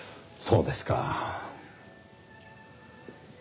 そうですか。